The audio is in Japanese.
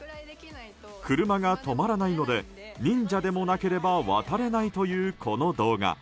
車が止まらないので忍者でもなければ渡れないというこの動画。